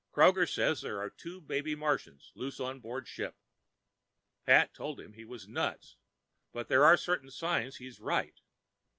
Kroger says there are two baby Martians loose on board ship. Pat told him he was nuts, but there are certain signs he's right.